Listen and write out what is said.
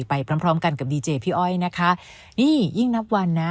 ไปพร้อมพร้อมกันกับดีเจพี่อ้อยนะคะนี่ยิ่งนับวันนะ